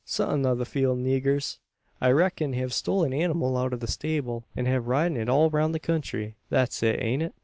Some o' the field niggers, I reck'n, hev stole the anymal out o' the stable, an hev been ridin' it all roun' the country. That's it, ain't it?"